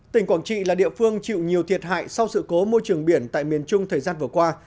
tỉnh quảng trị là địa phương chịu nhiều thiệt hại sau sự cố môi trường biển tại miền trung thời gian vừa qua